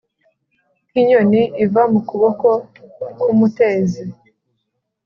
nk’inyoni iva mu kuboko k’umutezi